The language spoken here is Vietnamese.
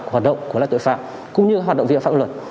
hoạt động của loại tội phạm cũng như hoạt động viện pháp luật